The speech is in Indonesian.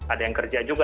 ada yang kerja juga